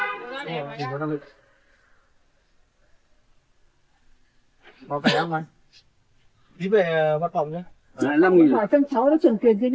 phải chăm sóc nó trường tuyên kia đó